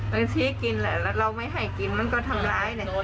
มันชี้กินแล้วเราไม่ให้กินมันก็ทำร้าย